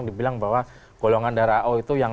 dibilang bahwa golongan darah o itu yang